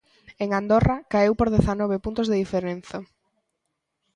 En Andorra caeu por dezanove puntos de diferenza.